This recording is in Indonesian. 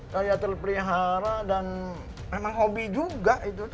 kayak terpelihara dan memang hobi juga itu